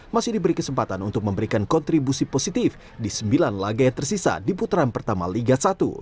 masih diberi kesempatan untuk memberikan kontribusi positif di sembilan laga yang tersisa di putaran pertama liga satu